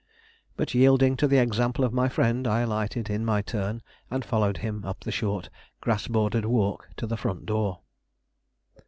But, yielding to the example of my friend, I alighted in my turn and followed him up the short, grass bordered walk to the front door.